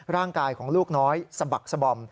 ร่างกายของลูกน้อยสะบักสบอม